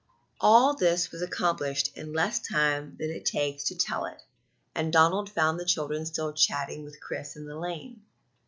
All this was accomplished in less time than it takes to tell it, and Donald found the children still chatting with Chris in the lane.